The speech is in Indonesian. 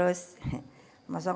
yang lama sekarang